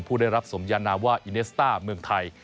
ผู้ได้รับสมยานามว่าอิเนสต้าเมืองไทย